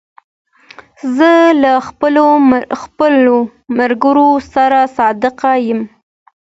زه له خپلو ملګرو سره صادق یم.